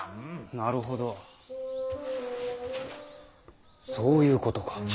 なるほどそういうことか。